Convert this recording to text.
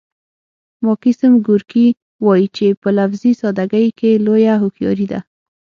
ماکسیم ګورکي وايي چې په لفظي ساده ګۍ کې لویه هوښیاري ده